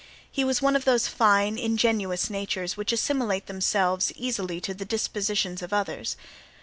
He was one of those fine, ingenuous natures which assimilate themselves easily to the dispositions of others.